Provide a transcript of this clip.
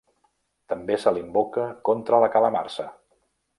També se l'invoca contra la calamarsa.